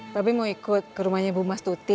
tapi mau ikut ke rumahnya bu mas tuti